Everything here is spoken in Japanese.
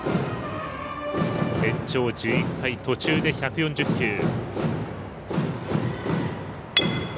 延長１１回途中で１４０球。